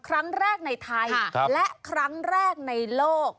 ครั้งแรกในไทยและครั้งแรกในโลก